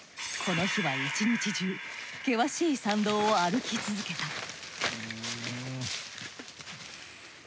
この日は一日中険しい山道を歩き続けた。